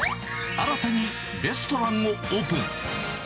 新たにレストランをオープン。